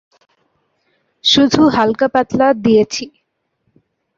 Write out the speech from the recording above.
শুধু হালকাপাতলা দিয়েছি।